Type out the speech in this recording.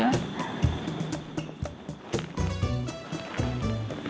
sampai jumpa lagi